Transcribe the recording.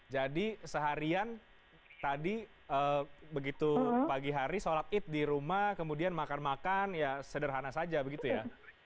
jadi seharian tadi begitu pagi hari sholat id di rumah kemudian makan makan ya sederhana saja begitu ya